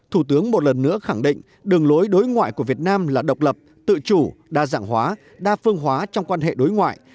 thủ tướng một lần nữa khẳng định đường lối đối ngoại của việt nam là độc lập tự chủ đa dạng hóa đa phương hóa trong quan hệ đối ngoại